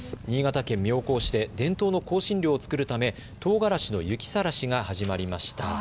新潟県妙高市で伝統の香辛料を作るためとうがらしの雪さらしが始まりました。